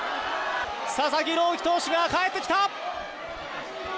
佐々木朗希投手が帰ってきた！